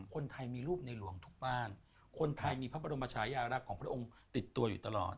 คนไทยมีรูปในหลวงทุกบ้านคนไทยมีพระบรมชายารักษ์ของพระองค์ติดตัวอยู่ตลอด